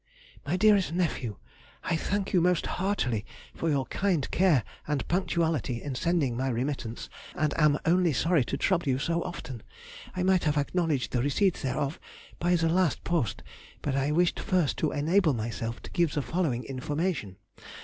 MY DEAREST NEPHEW,— I thank you most heartily for your kind care and punctuality in sending my remittance, and am only sorry to trouble you so often; I might have acknowledged the receipt thereof by the last post, but I wished first to enable myself to give the following information.